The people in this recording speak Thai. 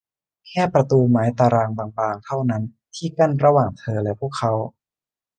แค่ประตูไม้ตารางบาง ๆ เท่านั้น ที่กั้นกลางระหว่างเธอและพวกเขา